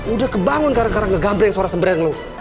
udah kebangun karena kara ngegamble yang suara sebreng lo